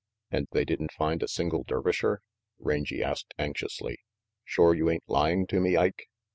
" "And they didn't find a single Dervisher?" Rangy asked anxiously. "Shore you ain't lying to me, Ike?"